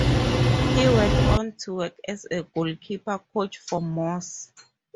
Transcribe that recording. He went on to work as a goalkeeper coach for Moss.